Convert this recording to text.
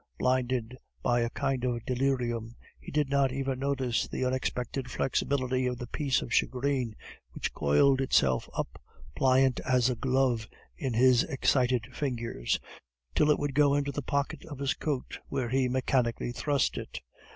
Blinded by a kind of delirium, he did not even notice the unexpected flexibility of the piece of shagreen, which coiled itself up, pliant as a glove in his excited fingers, till it would go into the pocket of his coat, where he mechanically thrust it.